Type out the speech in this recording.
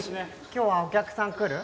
今日はお客さん来る？